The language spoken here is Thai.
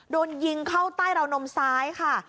โดนยิงเข้าใต้ราวนมซ้ายค่ะ